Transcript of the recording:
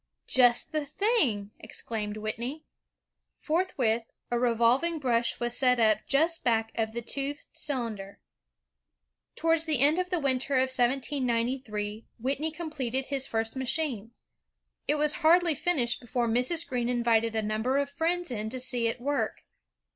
''Just the thing!" exclaimed Whitney. Forthwith, a revolving brush was set up just back of the toothed cylinder. Towards the end of the winter of 1793, Whitney com pleted his first machine. It was hardly finished before Mrs. Greene invited a number of friends in to see it work.